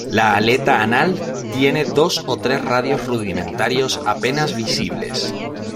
La aleta anal tiene dos o tres radios rudimentarios apenas visibles.